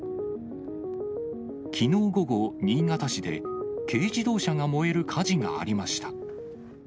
きのう午後、新潟市で軽自動車が燃える火事がありました。